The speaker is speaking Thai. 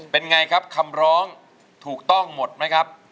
เป็นไงครับคำร้องถูกต้องหมดไหมครับ